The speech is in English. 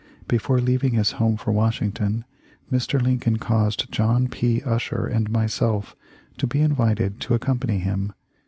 Before leaving his home for Washington, Mr. Lincoln caused John P. Usher and myself to be invited to accompany him.